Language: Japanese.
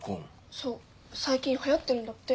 そう最近はやってるんだって。